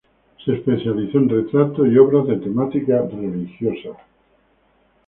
Se especializó en retratos y obras de temática religiosa.